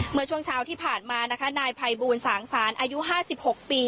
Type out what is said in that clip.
เมื่อช่วงเช้าที่ผ่านมานะคะนายภัยบูลสางศาลอายุ๕๖ปี